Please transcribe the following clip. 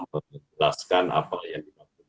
menjelaskan apa yang